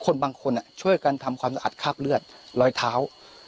คนบางคนช่วยกันทำความสะอาดคราบเลือดรอยเท้า